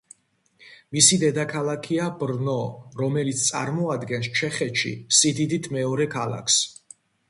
მისი დედაქალაქია ბრნო, რომელიც წარმოადგენს ჩეხეთში სიდიდით მეორე ქალაქს.